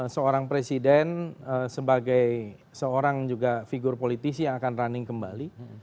seorang presiden sebagai seorang juga figur politisi yang akan running kembali